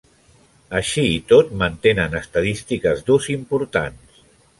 Així i tot mantenen estadístiques d'ús importants.